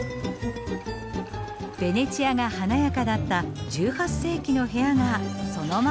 ベネチアが華やかだった１８世紀の部屋がそのまま残っています。